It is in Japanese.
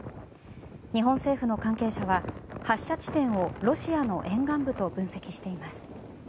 日本政府の関係者は発射地点をロシアの沿岸部と分析しています。